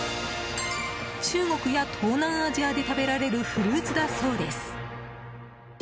中国や東南アジアで食べられるフルーツだそうです。